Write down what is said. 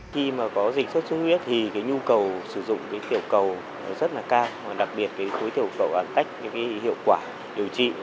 khi mà có dịch sốt xuất huyết thì cái nhu cầu sử dụng cái tiểu cầu nó rất là cao đặc biệt cái khối tiểu cầu ảnh tách những cái hiệu quả điều trị